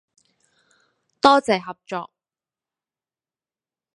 多謝合作